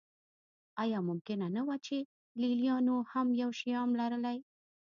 آیا ممکنه نه وه چې لېلیانو هم یو شیام لرلی